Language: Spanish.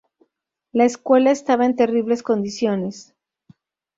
La escuela estaba en terribles condiciones.